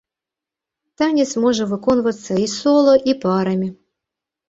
Танец можа выконвацца і сола, і парамі.